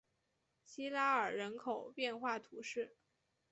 西拉尔人口变化图示